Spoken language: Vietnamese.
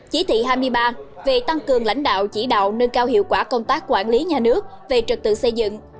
chỉ thị hai mươi ba về tăng cường lãnh đạo chỉ đạo nâng cao hiệu quả công tác quản lý nhà nước về trật tự xây dựng